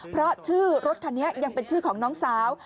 เพราะชื่อรถคันนี้ยังเป็นชื่อของน้องสาว